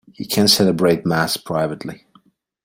He can celebrate Mass privately.